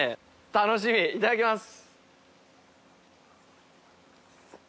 楽しみいただきます！